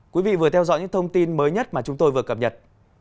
quý vị vừa theo dõi những thông tin mới nhất mà chúng tôi vừa cập nhật